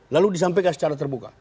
lalu disampaikan secara terbuka